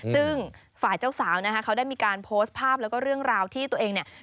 ซึ่งฝ่ายเจ้าสาวนะคะเขาได้มีการโพสต์ภาพแล้วก็เรื่องราวที่ตัวเองเนี่ย